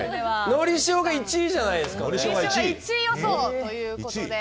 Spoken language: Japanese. のり塩が１位じゃないですかね。